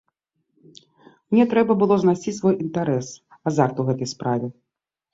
Мне трэба было знайсці свой інтарэс, азарт ў гэтай справе.